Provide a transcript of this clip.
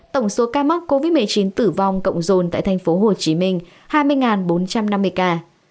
tổng số ca mắc covid một mươi chín tử vong cộng dồn tại tp hcm hai mươi bốn trăm năm mươi ca